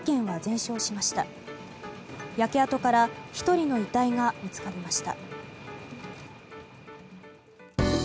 焼け跡から１人の遺体が見つかりました。